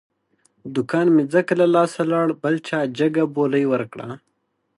دوکان مې ځکه له لاسه لاړ، بل چا جگه بولۍ ور کړه.